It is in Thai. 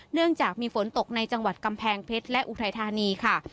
เนื่องจากมีฝนตกในจังหวัดกำแพงเพชรและอุทัยธานีค่ะ